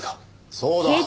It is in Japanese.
そうだ。